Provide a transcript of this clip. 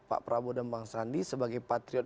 pak prabowo dan bang sandi sebagai patriot